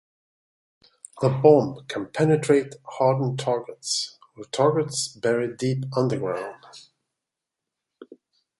The bomb can penetrate hardened targets or targets buried deep underground.